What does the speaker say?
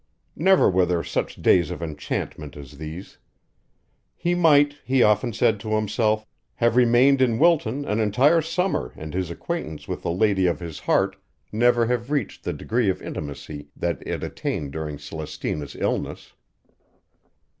Never were there such days of enchantment as these! He might, he often said to himself, have remained in Wilton an entire summer and his acquaintance with the lady of his heart never have reached the degree of intimacy that it attained during Celestina's illness.